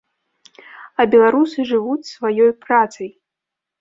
А беларусы жывуць сваёй працай.